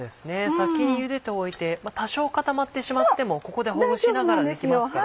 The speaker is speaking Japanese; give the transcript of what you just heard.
先にゆでておいて多少固まってしまってもここでほぐしながらできますからね。